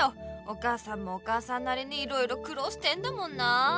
お母さんもお母さんなりにいろいろくろうしてんだもんな。